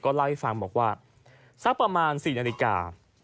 เล่าให้ฟังบอกว่าสักประมาณ๔นาฬิกา